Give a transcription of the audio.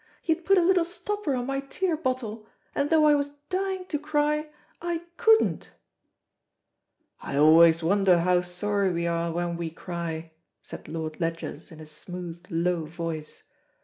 He had put a little stopper on my tear bottle, and though I was dying to cry, I couldn't." "I always wonder how sorry we are when we cry," said Lord Ledgers in a smooth, low voice.